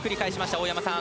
大山さん